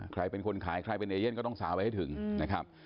ใครเป็นคนขายใครเป็นเอเย่นก็ต้องสาวไว้ให้ถึงนะครับ